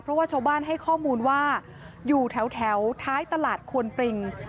เพราะว่าชาวบ้านให้ข้อมูลว่าอยู่แถวท้ายตลาดควนปริง